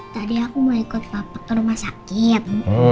tadi aku mau ikut ke rumah sakit